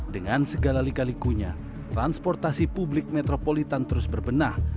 dengan segala lika likunya transportasi publik metropolitan terus berbenah